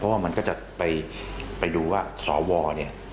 เพราะว่ามันก็จะไปดูว่าสวเนี่ย